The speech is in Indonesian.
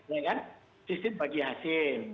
ya kan sistem bagi hasil